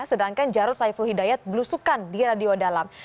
sedangkan jarod saiful hidayat belusukan di radio dalam